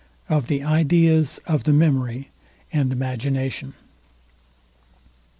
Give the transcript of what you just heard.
OF THE IDEAS OF THE MEMORY AND IMAGINATION.